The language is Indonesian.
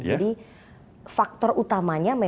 jadi faktor utamanya adalah